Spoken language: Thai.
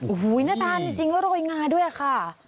โอ้โหน่าทานจริงแล้วโรยงาด้วยค่ะ